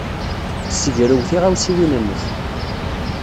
Ssegrew tiɣawsiwin-nnek.